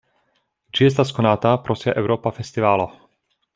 Ĝi estas konata pro sia Eŭropa festivalo.